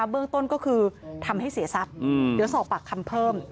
เบื้องต้นก็คือทำให้เสียทรัพย์เดี๋ยวสอบปากคำเพิ่ม